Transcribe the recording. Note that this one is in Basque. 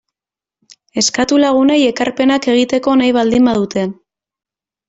Eskatu lagunei ekarpenak egiteko nahi baldin badute.